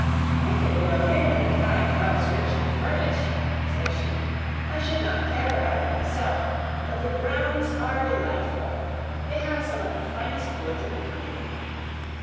"If it were merely a fine house richly furnished," said she, "I should not care about it myself; but the grounds are delightful. They have some of the finest woods in the country."